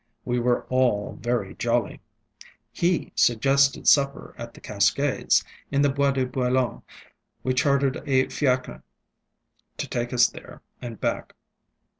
We were all very jolly. He suggested supper at the Cascades, in the Bois de Boulogne. We chartered a fiacre to take us there and back.